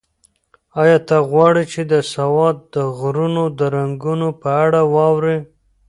ایا ته غواړې چې د سوات د غرو د رنګونو په اړه واورې؟